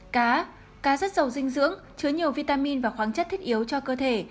cá cá rất giàu dinh dưỡng chứa nhiều vitamin và khoáng chất thiết yếu cho cơ thể